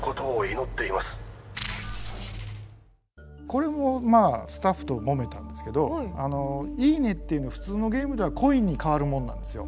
これもスタッフともめたんですけど「いいね」っていうの普通のゲームではコインにかわるものなんですよ。